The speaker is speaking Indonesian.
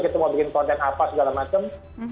kita mau bikin konten apa segala macam